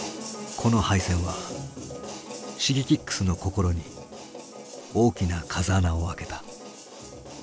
この敗戦はＳｈｉｇｅｋｉｘの心に大きな風穴をあけた。